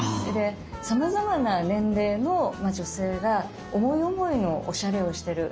さまざまな年齢の女性が思い思いのおしゃれをしてる。